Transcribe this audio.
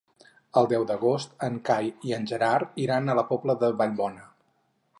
El deu d'agost en Cai i en Gerard iran a la Pobla de Vallbona.